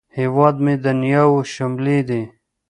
هیواد مې د نیاوو شملې دي